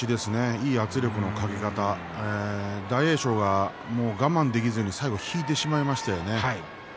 いい圧力のかけ方大栄翔は我慢できずに最後引いてしまいましたね。